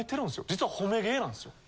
実は誉め芸なんですよ。